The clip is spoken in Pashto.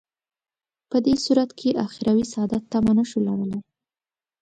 په دې صورت کې اخروي سعادت تمه نه شو لرلای.